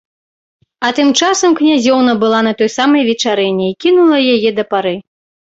А тым часам князёўна была на той самай вечарыне і кінула яе да пары.